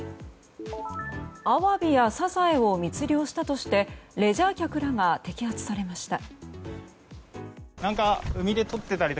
アワビやサザエを密漁したとしてレジャー客らが摘発されました。